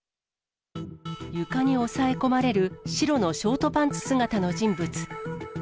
床に抑え込まれる白のショートパンツ姿の人物。